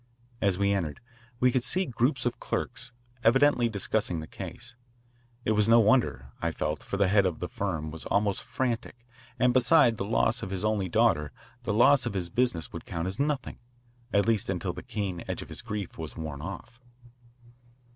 As we entered, we could see groups of clerks, evidently discussing the case. It was no wonder, I felt, for the head of the firm was almost frantic, and beside the loss of his only daughter the loss of his business would count as nothing, at least until the keen edge of his grief was worn off.